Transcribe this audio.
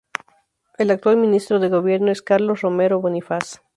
El actual ministro de Gobierno es Carlos Romero Bonifaz.